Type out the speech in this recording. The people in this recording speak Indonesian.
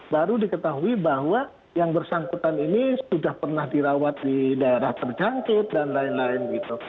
baru diketahui bahwa yang bersangkutan ini sudah pernah dirawat di daerah terjangkit dan lain lain gitu